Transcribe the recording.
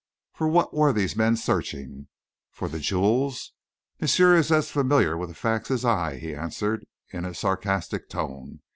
For what were these three men searching? For the jewels?" "Monsieur is as familiar with the facts as I," he answered, in a sarcastic tone.